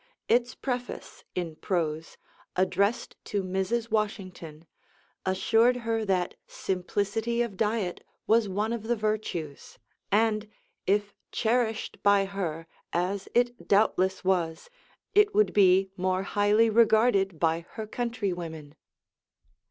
Its preface, in prose, addressed to Mrs. Washington, assured her that simplicity of diet was one of the virtues; and if cherished by her, as it doubtless was, it would be more highly regarded by her countrywomen.